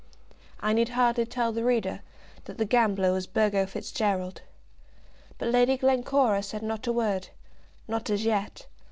I need hardly tell the reader that the gambler was Burgo Fitzgerald. But Lady Glencora said not a word, not as yet.